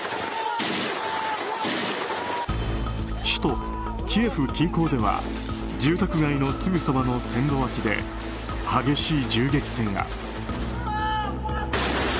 首都キエフ近郊では住宅街のすぐそばの線路脇で激しい銃撃戦が。